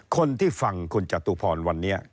คนที่ฟังคุณจตุพรวันนี้